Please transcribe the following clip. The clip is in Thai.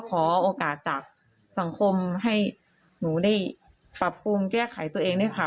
ขอโอกาสจากสังคมให้หนูได้ปรับปรุงแก้ไขตัวเองด้วยค่ะ